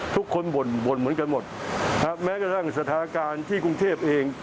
คนบ่นบ่นเหมือนกันหมดแม้กระทั่งสถานการณ์ที่กรุงเทพเอง